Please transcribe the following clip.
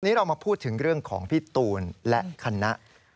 วันนี้เรามาพูดถึงเรื่องของพี่ตูนและคณะ